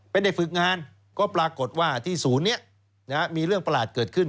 ไม่ได้ฝึกงานก็ปรากฏว่าที่ศูนย์นี้มีเรื่องประหลาดเกิดขึ้น